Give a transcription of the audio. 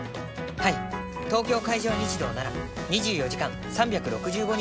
はい東京海上日動なら２４時間３６５日の事故受付。